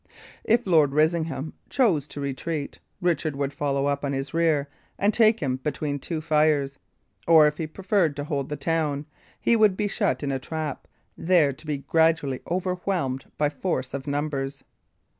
If Lord Risingham chose to retreat, Richard would follow upon his rear, and take him between two fires; or, if he preferred to hold the town, he would be shut in a trap, there to be gradually overwhelmed by force of numbers.